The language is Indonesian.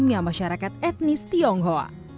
di tengah masyarakat etnis tionghoa